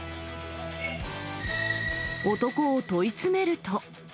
男を問い詰めると。